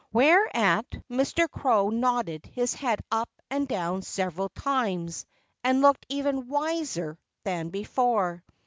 Whereat Mr. Crow nodded his head up and down several times and looked even wiser than before.